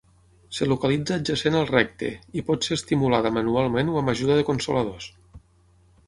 Es localitza adjacent al recte, i pot ser estimulada manualment o amb ajuda de consoladors.